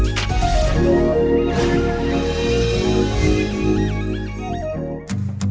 pakaian yang dipilih